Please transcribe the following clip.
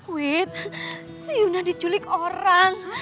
wait si yuna diculik orang